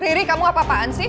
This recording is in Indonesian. diri kamu apa apaan sih